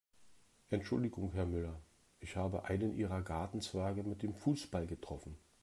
Entschuldigung Herr Müller, ich habe einen Ihrer Gartenzwerge mit dem Fußball getroffen.